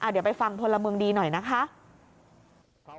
เดี๋ยวไปฟังพลเมืองดีหน่อยนะคะ